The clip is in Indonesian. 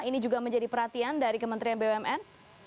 ini juga menjadi perhatian dari kementerian bumn